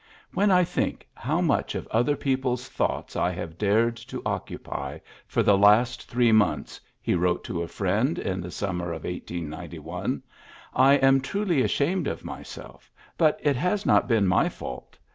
^^ When I think how much of other people's thoughts I have dared to occupy for the last three months, '' he wrote to a friend in the summer of 1891, ^'I am truly ashamed of myself ; but it has not been my fault.